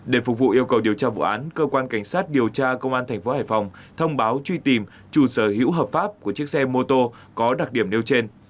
để phục vụ yêu cầu điều tra vụ án cơ quan cảnh sát điều tra công an tp hải phòng thông báo truy tìm chủ sở hữu hợp pháp của chiếc xe mô tô có đặc điểm nêu trên